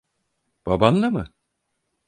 Babanla mı?